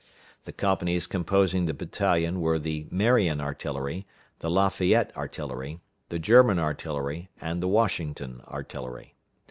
(The companies composing the battalion were the Marion Artillery, the La Fayette Artillery, the German Artillery, and the Washington Artillery.)